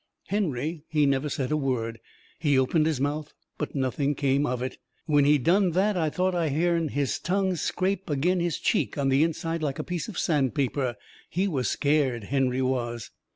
Henry, he never said a word. He opened his mouth, but nothing come of it. When he done that I thought I hearn his tongue scrape agin his cheek on the inside like a piece of sand paper. He was scared, Henry was.